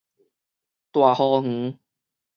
大和園